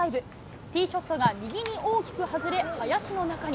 ティーショットが右に大きく外れ、林の中に。